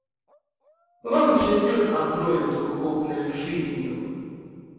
Он живет одною духовною жизнью.